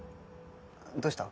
どうした？